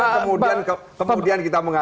kemudian kita mengatakan